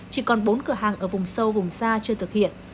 chỉ còn bốn cửa hàng ở vùng sâu vùng xa chưa thực hiện